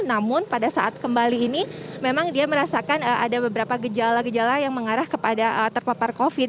namun pada saat kembali ini memang dia merasakan ada beberapa gejala gejala yang mengarah kepada terpapar covid